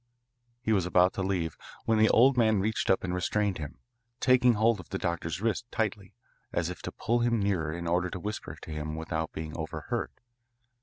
He was about to leave, when the old man reached up and restrained him, taking hold of the doctor's wrist tightly, as if to pull him nearer in order to whisper to him without being overheard.